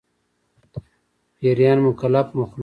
پيريان مکلف مخلوق دي